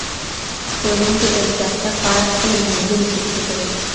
څېړونکي به د داستان په اړه خپلې موندنې شریکي کړي.